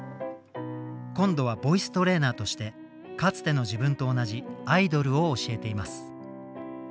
今度はボイストレーナーとしてかつての自分と同じアイドルを教えています。